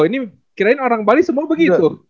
ini kirain orang bali semua begitu